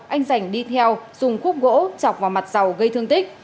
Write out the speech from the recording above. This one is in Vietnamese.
anh giành đi theo dùng khúc gỗ chọc vào mặt giàu gây thương tích